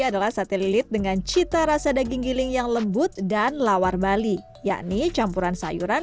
adalah sate lilit dengan cita rasa daging giling yang lembut dan lawar bali yakni campuran sayuran